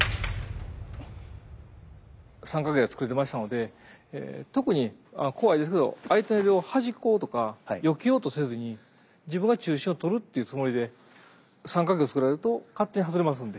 三角形がつくれてましたので特に怖いですけど相手をはじこうとかよけようとせずに自分が中心をとるっていうつもりで三角形をつくられると勝手に外れますので。